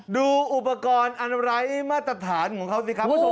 ดูอุปกรณ์อันไหร่มาตรฐานของเขาสิครับ